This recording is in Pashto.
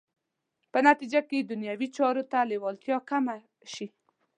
په نتیجه کې دنیوي چارو ته لېوالتیا کمه شي.